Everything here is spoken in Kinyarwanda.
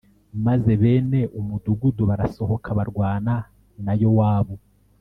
Maze bene umudugudu barasohoka barwana na Yowabu.